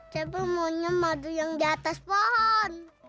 cepi maunya madu yang di atas pohon